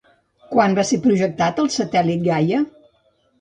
Quan va ser projectat el satèl·lit Gaia?